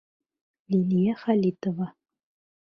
Лилиә ХӘЛИТОВА.